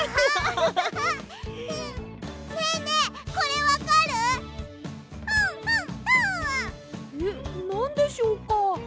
えっなんでしょうか？